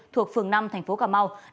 thuộc phường năm thành phố cà mau